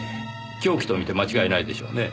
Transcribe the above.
凶器と見て間違いないでしょうね。